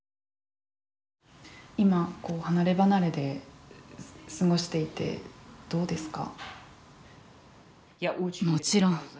今離れ離れで過ごしていてどうですか。